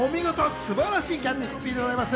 素晴らしいキャッチコピーでございます。